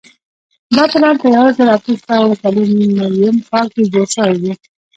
دا پلان په یوه زرو اتو سوو څلور نوېم کال کې جوړ شوی وو.